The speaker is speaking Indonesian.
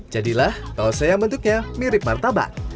jadilah tose yang bentuknya mirip martabak